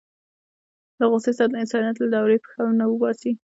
له غوسې سره د انسانيت له دایرې پښه ونه باسي.